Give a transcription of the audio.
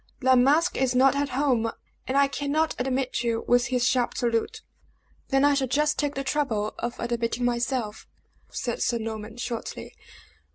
"La Masque is not at home, and I cannot admit you," was his sharp salute. "Then I shall just take the trouble of admitting myself," said Sir Norman, shortly.